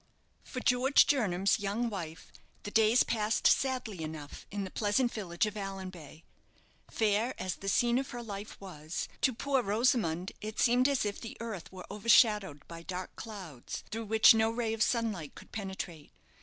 For George Jernam's young wife, the days passed sadly enough in the pleasant village of Allanbay. Fair as the scene of her life was, to poor Rosamond it seemed as if the earth were overshadowed by dark clouds, through which no ray of sunlight could penetrate.